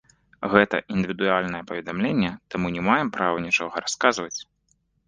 Гэта індывідуальнае паведамленне, таму не маем права нічога расказваць.